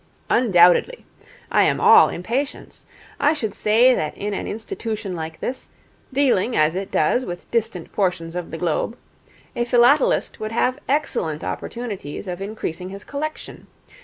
'Undoubtedly. I am all impatience. I should say that in an institution like this, dealing as it does with distant portions of the globe, a philatelist would have excellent opportunities of increasing his collection.